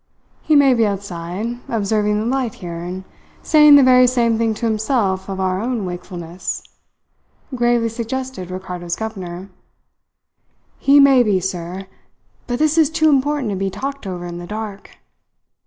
"He may be outside, observing the light here, and saying the very same thing to himself of our own wakefulness," gravely suggested Ricardo's governor. "He may be, sir; but this is too important to be talked over in the dark.